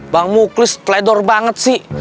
bang muklis pledor banget sih